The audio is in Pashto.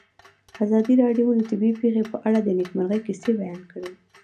ازادي راډیو د طبیعي پېښې په اړه د نېکمرغۍ کیسې بیان کړې.